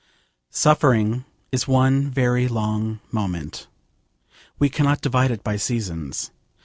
Suffering is one very long moment. We cannot divide it by seasons.